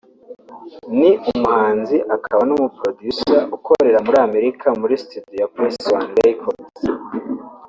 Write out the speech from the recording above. Ni umuhanzi akaba n’umuproducer ukorera muri Amerika muri studio ya Press One Records